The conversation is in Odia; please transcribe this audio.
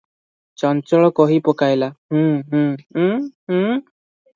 ଚଞ୍ଚଳ କହି ପକାଇଲା, ହୁଁ -ହୁଁ -ଉଁ -ଉଁ ।"